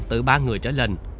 từ ba người trở lên